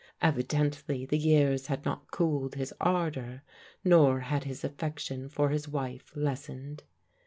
Evidently the years had not cooled his ardour, nor had his aflFection for his wife less ened.